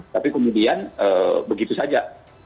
tapi kemudian begitu saja